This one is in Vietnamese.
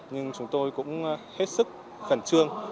nhưng chúng tôi cũng hết sức khẩn trương